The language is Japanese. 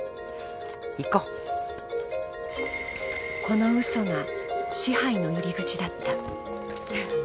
このうそが支配の入り口だった。